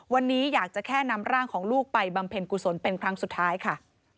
วันนี้อยากจะแค่นำร่างของลูกไปบำเพ็ญกุศลเป็นครั้งสุดท้ายค่ะ